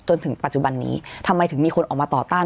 จนถึงปัจจุบันนี้ทำไมถึงมีคนออกมาต่อต้าน